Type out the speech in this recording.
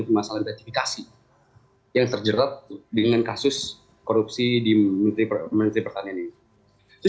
kemasalahan ratifikasi yang terjerat dengan kasus korupsi di menteri menteri pertanian ini